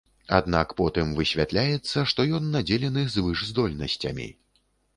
Аднак потым высвятляецца, што ён надзелены звышздольнасцямі.